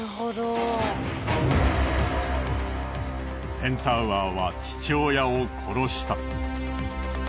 ペンタウアーは父親を殺した。